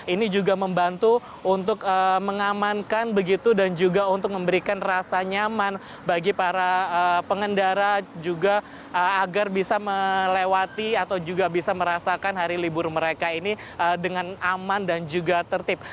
ini juga membantu untuk mengamankan begitu dan juga untuk memberikan rasa nyaman bagi para pengendara juga agar bisa melewati atau juga bisa merasakan hari libur mereka ini dengan aman dan juga tertib